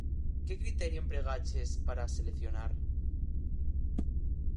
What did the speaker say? Que criterio empregaches para as seleccionar?